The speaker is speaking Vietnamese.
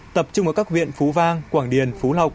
tập trung ở các viện phú vang quảng điền